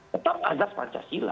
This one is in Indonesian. tetap agak pancasila